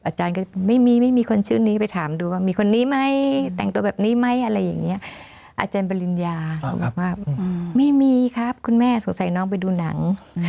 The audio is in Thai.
อาจารย์บริญญาบอกว่าไม่มีครับคุณแม่สงสัยน้องไปดูหนัง